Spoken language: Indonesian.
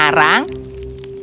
aku tidak bisa menunggu